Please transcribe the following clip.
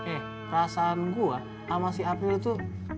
eh perasaan gue sama si upnya itu